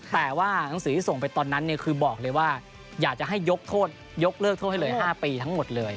แต่ว่าหนังสือที่ส่งไปตอนนั้นเนี่ยคือบอกเลยว่าอยากจะให้ยกโทษยกเลิกโทษให้เลย๕ปีทั้งหมดเลย